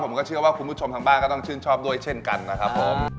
ผมก็เชื่อว่าคุณผู้ชมทางบ้านก็ต้องชื่นชอบด้วยเช่นกันนะครับผม